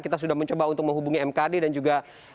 kita sudah mencoba untuk menghubungi mkd dan juga